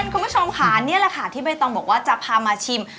คุณผู้ชมค่ะนี่แหละค่ะที่ใบตองบอกว่าจะพามาชิม